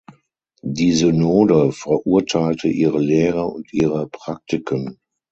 Die Synode verurteilte ihre Lehre und ihre Praktiken.